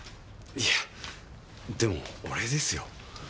いやでも俺ですよ？